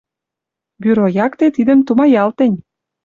Бюро якте тидӹм тумаял тӹнь